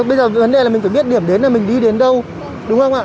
bây giờ vấn đề là mình phải biết điểm đến là mình đi đến đâu đúng không ạ